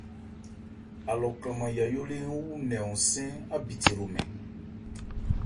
Alɔ kranman yayó lê ń wù nkɛ hɔnsɛ́n ábithe hromɛn.